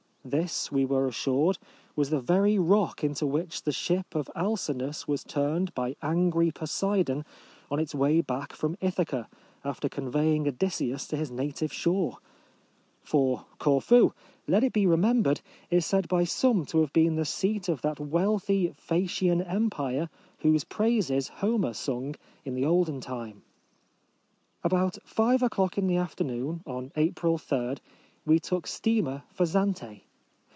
This, we were assured, was the very rock into which the ship of Alcinous was turned by angry Poseidon on its way back from Ithaca, after convey ing Odysseus to his native shore ! For Corfu, let it be remembered, is said by some to have been the seat of that wealthy Phseacian empire whose praises Homer sung in the olden time. About five o'clock in the after noon, on April 3, we took steamer for Zante.